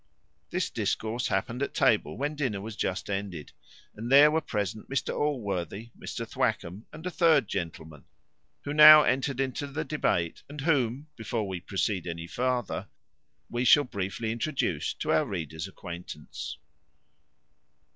This discourse happened at table when dinner was just ended; and there were present Mr Allworthy, Mr Thwackum, and a third gentleman, who now entered into the debate, and whom, before we proceed any further, we shall briefly introduce to our reader's acquaintance.